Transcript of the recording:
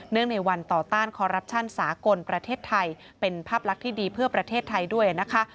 ในวันต่อต้านคอรัปชั่นสากลประเทศไทยเป็นภาพลักษณ์ที่ดีเพื่อประเทศไทยด้วยนะคะ